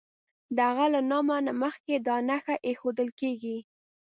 د هغه له نامه نه مخکې دا نښه ایښودل کیږي.